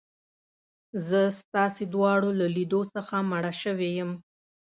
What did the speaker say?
زه ستاسي دواړو له لیدو څخه مړه شوې یم.